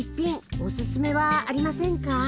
おススメはありませんか？